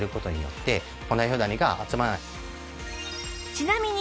ちなみに